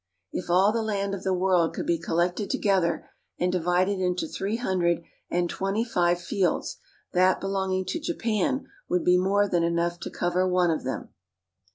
If all the land of the world could be THE ISLAND EMPIRE OF JAPAN 29 collected together and divided into three hundred and twenty five fields, that belonging to Japan would be more than enough to cover one of them.